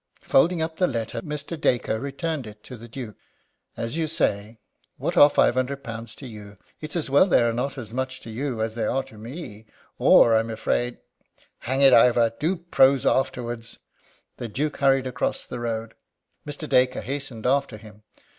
Folding up the letter, Mr. Dacre returned it to the Duke. "As you say, what are five hundred pounds to you? It's as well they are not as much to you as they are to me, or I'm afraid " "Hang it, Ivor, do prose afterwards!" The Duke hurried across the road. Mr. Dacre hastened after him.